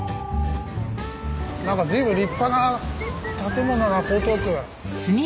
何か随分立派な建物が江東区。